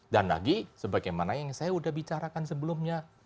dan lagi sebagaimana yang saya udah bicarakan sebelumnya